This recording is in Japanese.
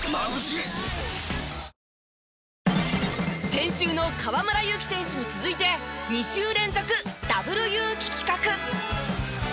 先週の河村勇輝選手に続いて２週連続Ｗユウキ企画。